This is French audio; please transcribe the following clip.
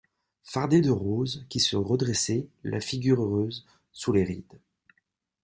Fardé de rose, qui se redressait, la figure heureuse, sous les rides.